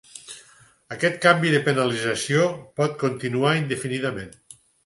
Aquest canvi de penalització pot continuar indefinidament.